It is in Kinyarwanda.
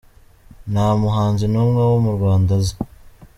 Nta muhanzi n’umwe wo mu Rwanda azi.